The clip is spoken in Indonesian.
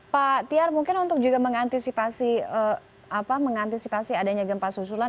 biar mungkin untuk juga mengantisipasi adanya gempa susulan